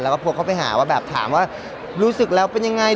แล้วก็โพกเข้าไปหาว่าแบบถามว่ารู้สึกแล้วเป็นยังไง